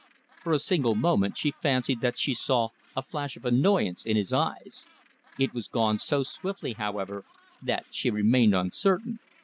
For a single moment she fancied that she saw a flash of annoyance in his eyes. It was gone so swiftly, however, that she remained uncertain.